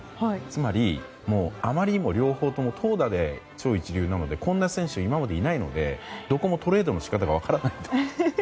つまり、あまりにも両方とも投打で超一流なのでこんな選手、今までいないのでどこもトレードの仕方が分からないと。